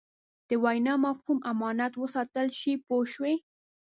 د وینا مفهوم امانت وساتل شي پوه شوې!.